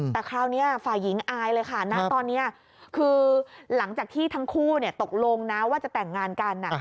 แต่คราวนี้ฝ่ายหญิงอายเลยค่ะณตอนนี้คือหลังจากที่ทั้งคู่ตกลงนะว่าจะแต่งงานกัน